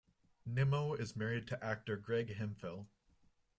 Nimmo is married to actor Greg Hemphill.